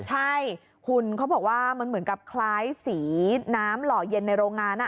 ใช่คุณเขาบอกว่ามันเหมือนกับคล้ายสีน้ำหล่อเย็นในโรงงาน